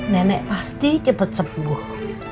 nenek pasti cepet sembuh